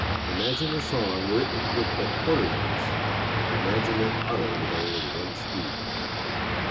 Imagine a song written with but quarter notes. Imagine an auto with only one speed.